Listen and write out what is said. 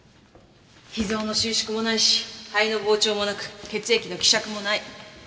脾臓の収縮もないし肺の膨張もなく血液の希釈もない。